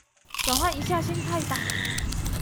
轉換一下心態吧